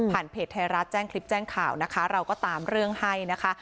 เพจไทยรัฐแจ้งคลิปแจ้งข่าวนะคะเราก็ตามเรื่องให้นะคะ